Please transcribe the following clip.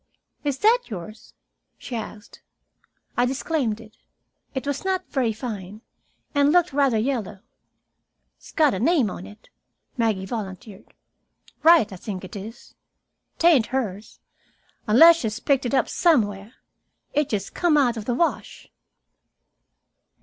"Is that yours?" she asked. I disclaimed it. It was not very fine, and looked rather yellow. "S'got a name on it," Maggie volunteered. "Wright, I think it is. 'Tain't hers, unless she's picked it up somewhere. It's just come out of the wash."